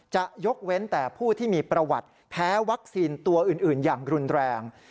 จะยกเว้นแต่ผู้ที่มีประวัติแพ้วัคซีนตัวอื่นอย่างรุนแรง